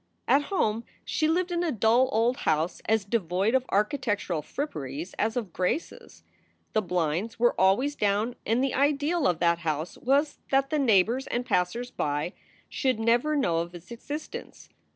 At home she lived in a dull old house as devoid of archi tectural fripperies as of graces. The blinds were always down and the ideal of that house was that the neighbors and passers by should never know of its existence.